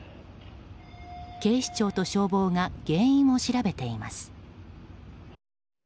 警視庁と消防が原因を調べています。